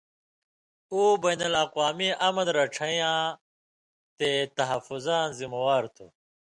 او بین الاقوامی امن رَڇھئیں یاں تے تحفظاں ذموار تُھو۔